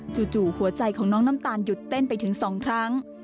จู่หัวใจของน้องน้ำตาลหยุดเต้นไปถึง๒ครั้ง